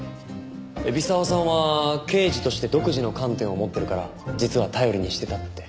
海老沢さんは刑事として独自の観点を持ってるから実は頼りにしてたって。